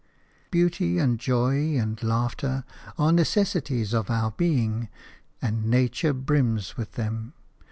Beauty and Joy and Laughter are necessities of our being, and nature brims with them.